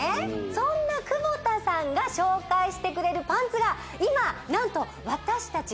そんな窪田さんが紹介してくれるパンツが今なんと私たち